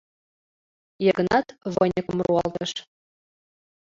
— Йыгнат выньыкым руалтыш.